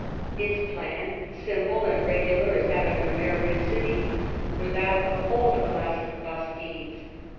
Its plan, simple and regular as that of an American city, was that of all the class of bastides.